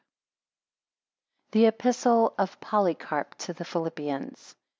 ] THE EPISTLE OF POLYCARP TO THE PHILIPPIANS.